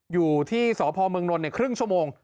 อยู่ที่สพเมืองนลครึ่งชั่วโมง